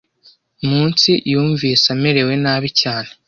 munsi yumvise amerewe nabi cyane.